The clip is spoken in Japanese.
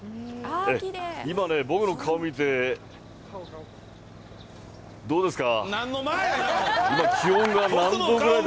今ね、僕の顔見て、どうですか？